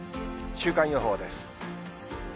週間予報です。